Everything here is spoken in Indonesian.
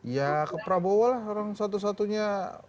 ya ke prabowo lah orang satu satunya